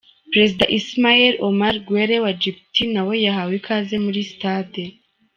Perezida Ismaïl Omar Guelleh wa Djibouti nawe yahawe ikaze muri stade.